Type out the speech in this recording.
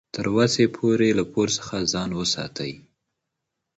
تر وسې پورې له پور څخه ځان وساتئ.